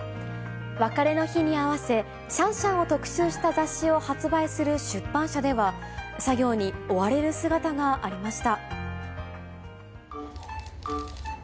別れの日に合わせ、シャンシャンを特集した雑誌を発売する出版社では、作業に追われる姿がありました。